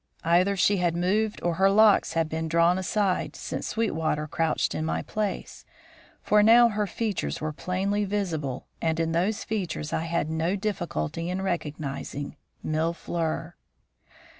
Either she had moved or her locks had been drawn aside since Sweetwater crouched in my place, for now her features were plainly visible and in those features I had no difficulty in recognising Mille fleurs.